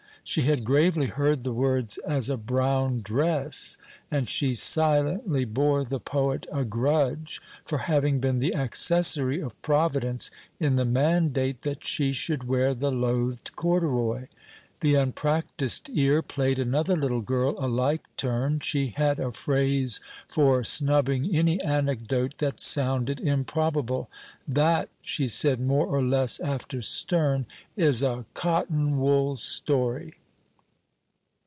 She had gravely heard the words as "a brown dress," and she silently bore the poet a grudge for having been the accessory of Providence in the mandate that she should wear the loathed corduroy. The unpractised ear played another little girl a like turn. She had a phrase for snubbing any anecdote that sounded improbable. "That," she said more or less after Sterne, "is a cotton wool story."